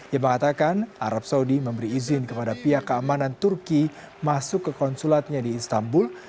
yang mengatakan arab saudi memberi izin kepada pihak keamanan turki masuk ke konsulatnya di istanbul